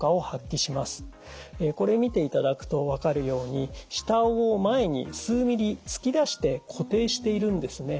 これ見ていただくと分かるように下あごを前に数ミリ突き出して固定しているんですね。